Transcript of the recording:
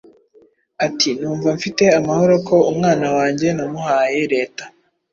ati numva mfite amahoro ko umwana wanjye namuhaye leta